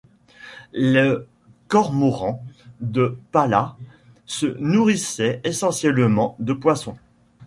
Le cormoran de Pallas se nourrissait essentiellement de poissons.